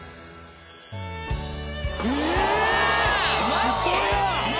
マジ？